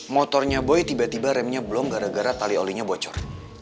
motornya boy tiba tiba remnya blong gara gara tali olinya bocor